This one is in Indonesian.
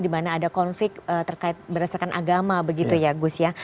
dimana ada konflik berdasarkan agama begitu ya gus ya